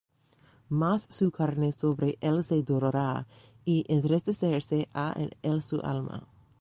Mas su carne sobre él se dolerá, Y entristecerse ha en él su alma.